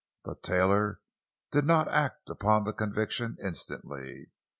But Taylor did not act upon the conviction instantly.